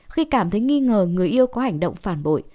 khi cảm thấy nghi ngờ người yêu có hành động phản bội